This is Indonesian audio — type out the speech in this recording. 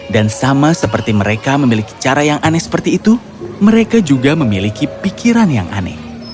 dan sama seperti mereka memiliki cara yang aneh seperti itu mereka juga memiliki pikiran yang aneh